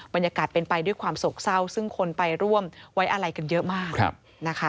บรรยากาศเป็นไปด้วยความโศกเศร้าซึ่งคนไปร่วมไว้อะไรกันเยอะมากนะคะ